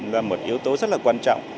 là một yếu tố rất là quan trọng